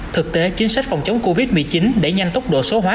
thực tế chính sách phòng chống covid một mươi chín để nhanh tốc độ số hóa